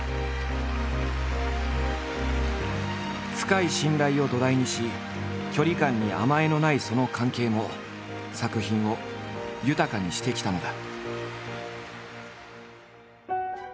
深い信頼を土台にし距離感に甘えのないその関係も作品を豊かにしてきたのだ。